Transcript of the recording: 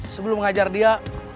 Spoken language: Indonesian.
sebelum hajar dia